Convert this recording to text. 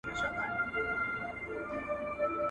ښځه د ټیټوالي هغه ړنده کنده ته ورپوري وهله